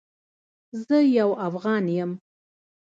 زه یو افغان یم